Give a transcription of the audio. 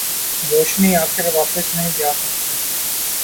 روشنی آکر واپس نہیں جاسکتی